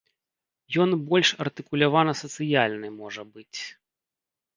Ён больш артыкулявана сацыяльны, можа быць.